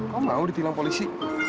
kamu mau ditilang polisi